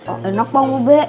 oh enak bang ube